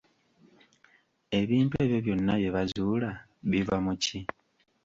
Ebintu ebyo byonna bye bazuula, biva mu ki?